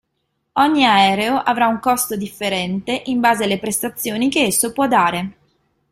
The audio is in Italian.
Ogni aereo avrà un costo differente in base alle prestazioni che esso può dare.